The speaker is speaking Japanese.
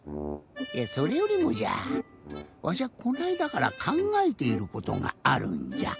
いやそれよりもじゃわしはこのあいだからかんがえていることがあるんじゃ。